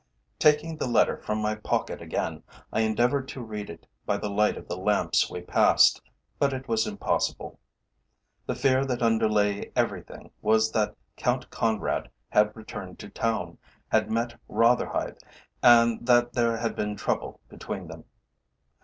Taking the letter from my pocket again, I endeavoured to read it by the light of the lamps we passed, but it was impossible. The fear that underlay everything was that Count Conrad had returned to town, had met Rotherhithe, and that there had been trouble between them.